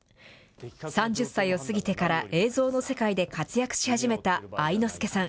３０歳を過ぎてから映像の世界で活躍し始めた愛之助さん。